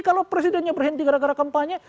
kalau presidennya berhenti gara gara kampanye